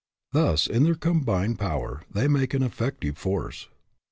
Thus, in their combined power, they make an effective force.